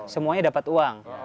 semuanya dapat uang